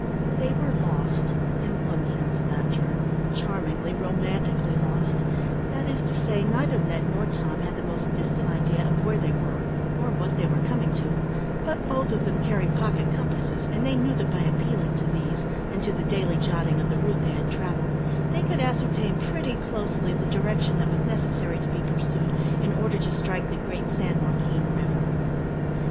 They were lost, in one sense of that term charmingly, romantically lost that is to say, neither Ned nor Tom had the most distant idea of where they were, or what they were coming to, but both of them carried pocket compasses, and they knew that by appealing to these, and to the daily jotting of the route they had travelled, they could ascertain pretty closely the direction that was necessary to be pursued in order to strike the great San Joaquin river.